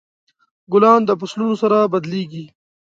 ګلان د فصلونو سره بدلیږي.